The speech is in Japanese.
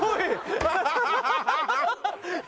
ハハハハ！